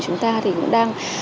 chúng ta thì cũng đang